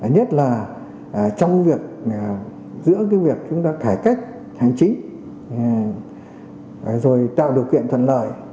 nhất là trong việc giữa cái việc chúng ta thải cách hành trí rồi tạo điều kiện thuận lợi